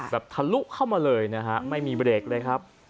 ทะลุเข้ามาเลยนะฮะไม่มีเบรกเลยครับ